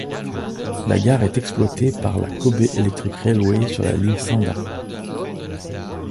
La gare est exploitée par la Kobe Electric Railway sur la ligne Sanda.